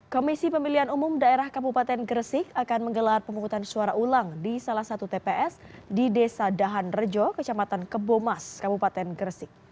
komisi pemilihan umum daerah kabupaten gresik akan menggelar pemungutan suara ulang di salah satu tps di desa dahan rejo kecamatan kebomas kabupaten gresik